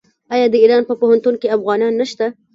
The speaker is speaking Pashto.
آیا د ایران په پوهنتونونو کې افغانان نشته؟